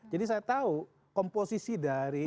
jadi saya tahu komposisi dari